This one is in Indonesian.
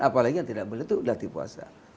apalagi yang tidak boleh itu latih puasa